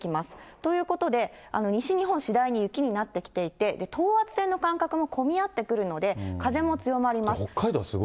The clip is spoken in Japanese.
ということで、西日本、次第に雪になってきていて、等圧線の間隔も混み合ってくるので、風も強まります。